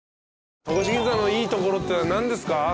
戸越銀座のいいところって何ですか？